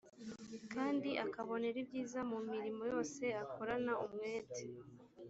kandi akabonera ibyiza mu mirimo yose akorana umwete.